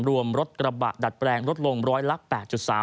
รวมรถกระบะดัดแปลงลดลงร้อยละ๘๓